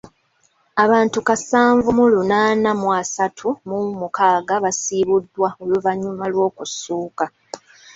Abantu kasanvu mu lunaana mu asatu mu mukaaga basimbuddwa oluvannyuma lw'okussuuka.